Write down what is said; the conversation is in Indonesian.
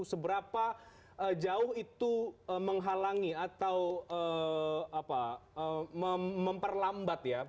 seberapa jauh itu menghalangi atau memperlambat ya